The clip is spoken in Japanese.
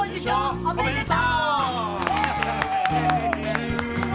おめでとう。